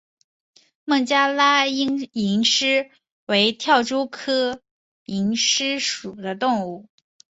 孟加拉蝇狮为跳蛛科蝇狮属的动物。